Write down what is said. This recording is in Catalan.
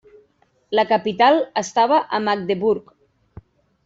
La capital estava a Magdeburg.